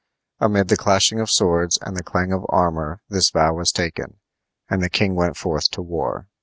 Amid the clashing of swords and the clang of armor this vow was taken, and the king went forth to war.